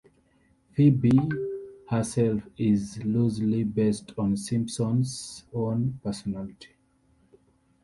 Phoebe herself is loosely based on Simpson's own personality.